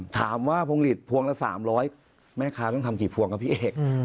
พวงหลีดพวงละ๓๐๐แม่ค้าต้องทำกี่พวงครับพี่เอก